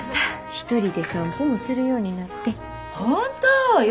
１人で散歩もするようになって。